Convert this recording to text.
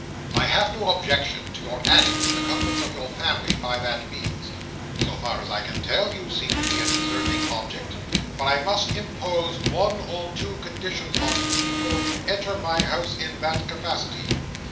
I have no objection to your adding to the comforts of your family by that means. So far as I can tell, you seem to be a deserving object. But I must impose one or two conditions on you, before you enter my house in that capacity.